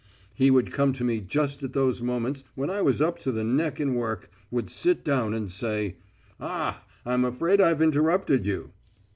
He would come to me just at those moments when I was up to the neck in work, would sit down and say: "Ah! I'm afraid I've interrupted you."